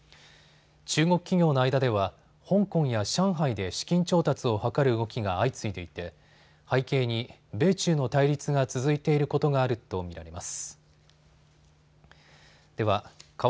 中国企業の間では香港や上海で資金調達を図る動きが相次いでいて背景に米中の対立が続いていることがあると見られます。